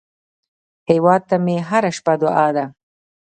هیواد ته مې هره شپه دعا ده